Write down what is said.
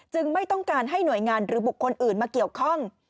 ไม่ต้องการให้หน่วยงานหรือบุคคลอื่นมาเกี่ยวข้อง